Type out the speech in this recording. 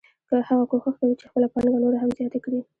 هغه کوښښ کوي چې خپله پانګه نوره هم زیاته کړي